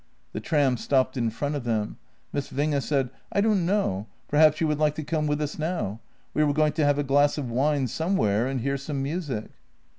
" The tram stopped in front of them. Miss Winge said: " I don't know — perhaps you would like to come with us now; we were going to have a glass of wine somewhere, and hear some music."